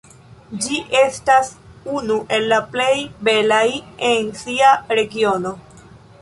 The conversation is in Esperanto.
Ĝi estas unu el la plej belaj en sia regiono.